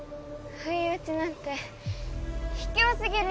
不意打ちなんて卑怯すぎる！